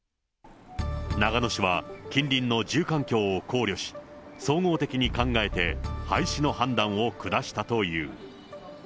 長野市は近隣の住環境を考慮し、総合的に考えて廃止の判断を下したという。